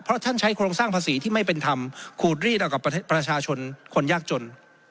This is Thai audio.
เพราะท่านใช้โครงสร้างภาษีที่ไม่เป็นธรรมขูดรีดเอากับประชาชนคนยากจน